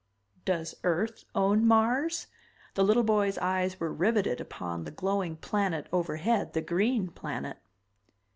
"Does Earth own Mars?" The little boy's eyes were riveted upon the glowing planet overhead, the green planet.